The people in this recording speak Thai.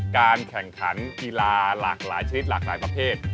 การแข่งขันกีฬาหลากหลายชนิดหลากหลายประเภท